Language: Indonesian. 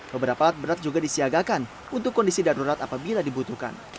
beberapa alat berat juga disiagakan untuk kondisi darurat apabila dibutuhkan